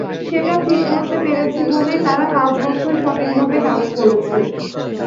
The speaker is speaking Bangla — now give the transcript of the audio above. সেটা ঠিক করতে পেরেছি বলেই তারা পাঁচ বছর সঠিকভাবে কাজ করেছে।